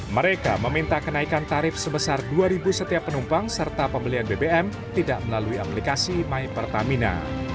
mereka meminta kenaikan tarif sebesar rp dua setiap penumpang serta pembelian bbm tidak melalui aplikasi my pertamina